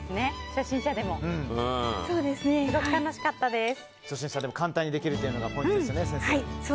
初心者でも簡単にできるところがポイントですね。